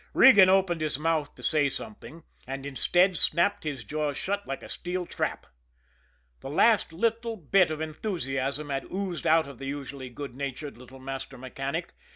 Regan opened his mouth to say something and, instead, snapped his jaws shut like a steel trap. The last little bit of enthusiasm had oozed out of the usually good natured little master mechanic.